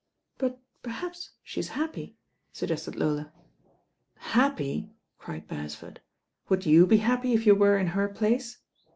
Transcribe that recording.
"But perhaps she's happy," suggested Lola. "Happy 1" cried Beresford. "Would you be happy if you were in her place?"